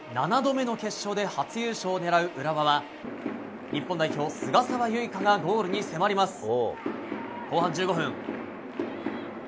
７度目の決勝で初優勝を狙う浦和は日本代表、菅澤優衣香がゴールに迫ります。